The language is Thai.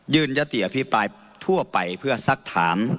ยติอภิปรายทั่วไปเพื่อสักถาม